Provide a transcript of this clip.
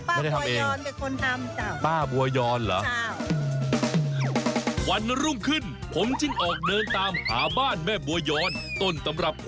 ไม่ได้ทำเองจ้าวป้าบัวยอนเป็นคนทำจ้าว